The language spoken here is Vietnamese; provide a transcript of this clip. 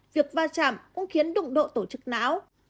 việc va chạm cũng khiến đụng độ tổ chức não